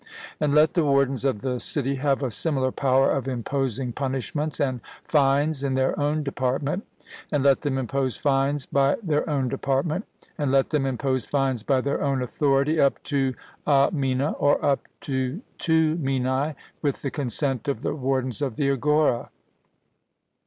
And let the wardens of the city have a similar power of imposing punishments and fines in their own department; and let them impose fines by their own department; and let them impose fines by their own authority, up to a mina, or up to two minae with the consent of the wardens of the agora.